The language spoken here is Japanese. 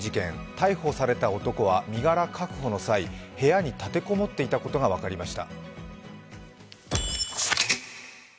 逮捕された男は身柄確保の際、部屋に立て籠もっていたことが分かりました。